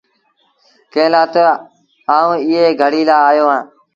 ڪݩهݩ لآ تا آئوٚنٚ ايٚئي گھڙيٚ لآ آيو اهآنٚ۔